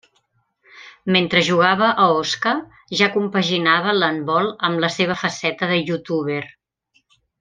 Mentre jugava a Osca ja compaginava l'handbol amb la seva faceta de youtuber.